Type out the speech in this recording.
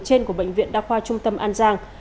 trên của bệnh viện đa khoa trung tâm an giang